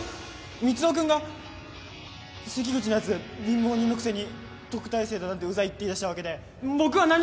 ミツオ君が関口のやつ貧乏人のくせに特待生だなんてうざいって言いだしたわけで僕は何も。